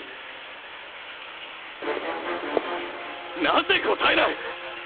なぜ答えない⁉あっ。